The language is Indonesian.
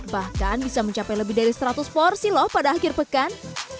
bahkan bisa mencapai lebih dari seratus porsi loh pada akhir pekan